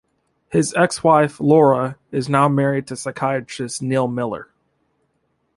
His ex-wife, Laura, is now married to psychiatrist Neil Miller.